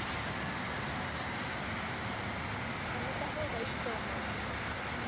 やめたほうがいいと思います。